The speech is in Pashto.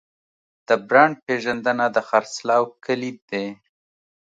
د برانډ پیژندنه د خرڅلاو کلید دی.